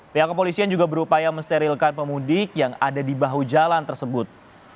pihak kepolisian juga berupaya mensterilkan pemudik yang ada di bahu jalan tersebut